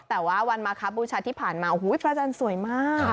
แต่ว่าวันมาครับบูชาที่ผ่านมาพระจันทร์สวยมาก